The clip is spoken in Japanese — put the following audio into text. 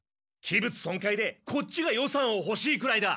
器物損壊でこっちが予算をほしいくらいだ。